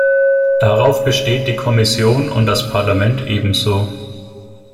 Darauf besteht die Kommission und das Parlament ebenso.